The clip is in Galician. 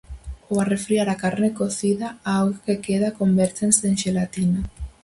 Ao arrefriar a carne cocida, a auga que queda convértese en xelatina.